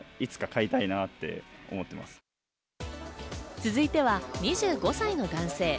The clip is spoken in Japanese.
続いては２５歳の男性。